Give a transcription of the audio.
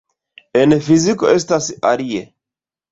En fiziko estas alie.